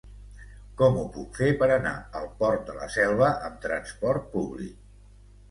Com ho puc fer per anar al Port de la Selva amb trasport públic?